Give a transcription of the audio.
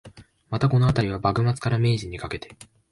また、このあたりは、幕末から明治にかけて